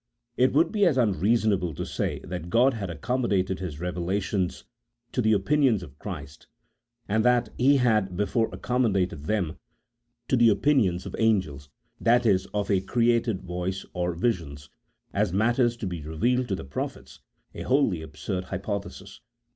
It would be as unreasonable to say that God had accommodated his revelations to the opinions of Christ as that He had before accommodated them to the opinions of angels (that is, of a created voice or visions) as matters to be revealed to the prophets, a wholly absurd hypothesis.